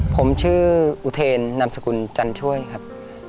ผมชื่ออุเทนนามสกุลจันช่วยครับ